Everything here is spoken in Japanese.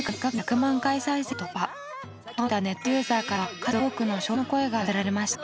動画を見たネットユーザーからは数多くの称賛の声が寄せられました。